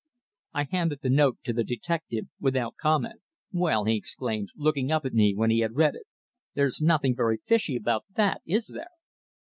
I handed the note to the detective without comment. "Well," he exclaimed, looking up at me when he had read it, "there's nothing very fishy about that, is there?"